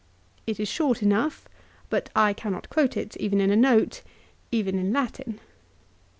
It is short enough, but I cannot quote it even in a note, even in Latin.